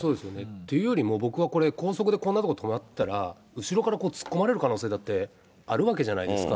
っていうよりも、僕はこれ、高速でこんなとこ止まってたら、後ろから突っ込まれる可能性だってあるわけじゃないですか。